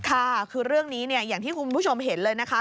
ค่ะคือเรื่องนี้เนี่ยอย่างที่คุณผู้ชมเห็นเลยนะคะ